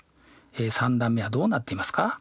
３段目はどうなっていますか？